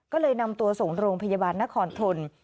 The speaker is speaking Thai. ก็เลยนำตัวส่งโรงพยาบาลนครทน